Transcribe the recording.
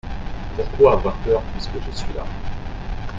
Pourquoi avoir peur puisque je suis là ?